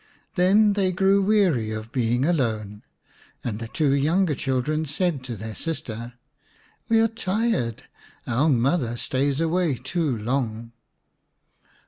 Then they grew weary of being alone, and the two younger children said to their sister, " We are tired ; our mother stays away too long."